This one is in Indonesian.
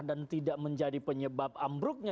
dan tidak menjadi penyebab amruknya